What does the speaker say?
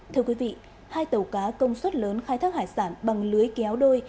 thưa quý vị hai tàu cá công suất lớn khai thác hải sản bằng lưới kéo đôi